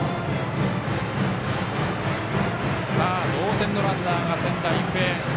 同点のランナーが仙台育英。